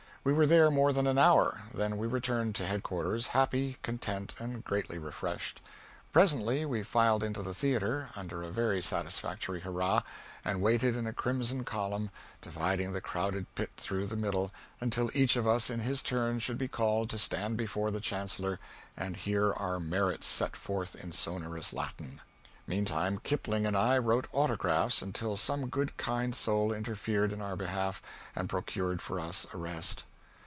We were there more than an hour; then we returned to headquarters, happy, content, and greatly refreshed. Presently we filed into the theatre, under a very satisfactory hurrah, and waited in a crimson column, dividing the crowded pit through the middle, until each of us in his turn should be called to stand before the Chancellor and hear our merits set forth in sonorous Latin. Meantime, Kipling and I wrote autographs until some good kind soul interfered in our behalf and procured for us a rest.